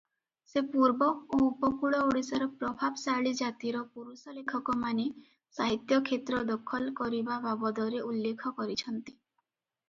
ସେ ପୂର୍ବ ଓ ଉପକୂଳ ଓଡ଼ିଶାର ପ୍ରଭାବଶାଳୀ ଜାତିର ପୁରୁଷ ଲେଖକମାନେ ସାହିତ୍ୟ କ୍ଷେତ୍ର ଦଖଲ କରିବା ବାବଦରେ ଉଲ୍ଲେଖ କରିଛନ୍ତି ।